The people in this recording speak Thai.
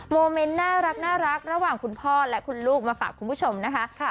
โมเมนต์น่ารักระหว่างคุณพ่อและคุณลูกมาฝากคุณผู้ชมนะคะ